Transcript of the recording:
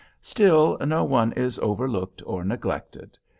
Still no one is overlooked or neglected.